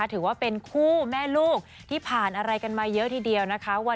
ดูแล้วยังไม่กอดแม่ก็รีดมาไปกอดไปไหว้แม่เลยนี่ดูว่าค่ะ